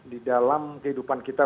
di dalam kehidupan kita